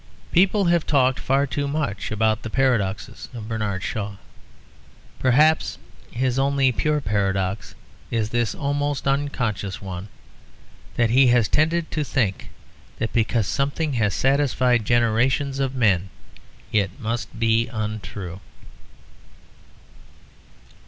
People have talked far too much about the paradoxes of Bernard Shaw. Perhaps his only pure paradox is this almost unconscious one; that he has tended to think that because something has satisfied generations of men it must be untrue.